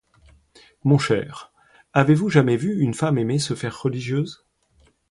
Mon cher, avez-vous jamais vu une femme aimée se faire religieuse?